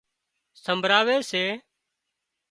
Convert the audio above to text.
سمڀراوي سي